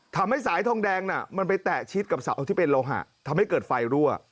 ทำให้สายทองแดงน่ะมันไปแตะชิดกับเสาที่เป็นโลหะทำให้เกิดไฟรั่ว